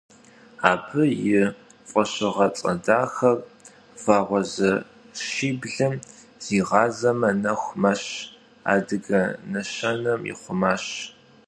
Абы и фӏэщыгъэцӏэ дахэр «Вагъуэзэшиблым зигъазэмэ, нэху мэщ» адыгэ нэщэнэм ихъумащ.